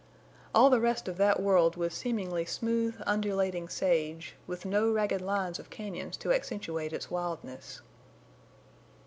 All the rest of that world was seemingly smooth, undulating sage, with no ragged lines of cañons to accentuate its wildness.